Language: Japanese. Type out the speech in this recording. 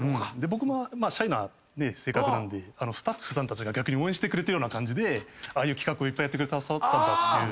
僕もシャイな性格なんでスタッフさんたちが逆に応援してくれてるような感じでああいう企画をいっぱいやってくださったんだっていう。